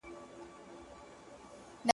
د وجود ساز ته یې رگونه له شرابو جوړ کړل ـ